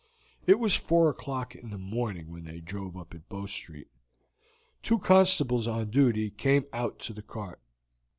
It was four o'clock in the morning when they drove up at Bow Street. Two constables on duty came out to the cart.